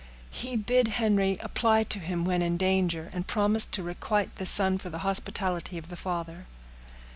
"He bid Henry apply to him when in danger, and promised to requite the son for the hospitality of the father."